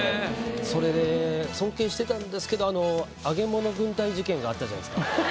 それで尊敬してたんですけど揚げ物軍隊事件があったじゃないっすか。